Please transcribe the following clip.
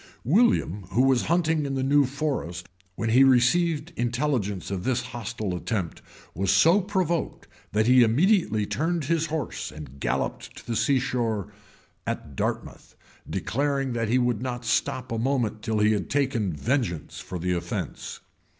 } William, who was hunting in the new forest when he received intelligence of this hostile attempt, was so provoked, that he immediately turned his horse, and galloped to the sea shore at Dartmouth, declaring that he would not stop a moment till he had taken, vengeance for the offence.